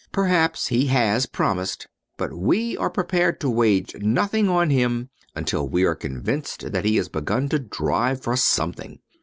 Perhaps he has promised, but we are prepared to wager nothing on him until we are convinced that he has begun to drive for something.